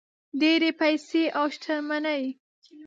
ډېرې پیسې او شتمني.